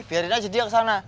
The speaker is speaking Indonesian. biarin aja dia ke sana